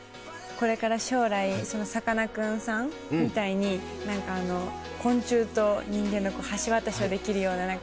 これから将来さかなクンさんみたいに昆虫と人間の橋渡しができるような何か。